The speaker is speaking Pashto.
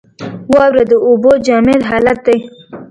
واوره د اوبو جامد حالت دی.